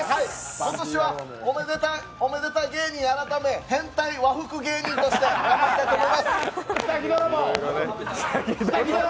今年はおめでた芸人改め変態和服芸人としてやっていきます。